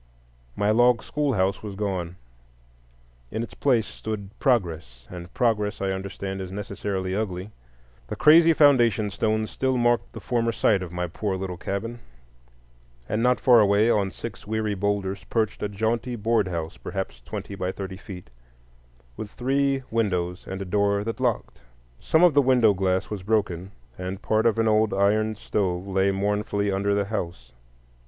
My log schoolhouse was gone. In its place stood Progress; and Progress, I understand, is necessarily ugly. The crazy foundation stones still marked the former site of my poor little cabin, and not far away, on six weary boulders, perched a jaunty board house, perhaps twenty by thirty feet, with three windows and a door that locked. Some of the window glass was broken, and part of an old iron stove lay mournfully under the house.